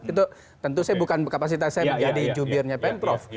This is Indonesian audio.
itu tentu saya bukan kapasitas saya menjadi jubirnya pemprov